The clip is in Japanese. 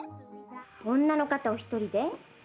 女の方お一人で？